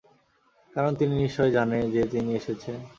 কারণ তিনি নিশ্চয়ই জানে যে তিনি এসেছেন।